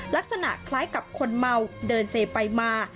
ลักษณะคล้ายกับคนเมาเดินเซไปมา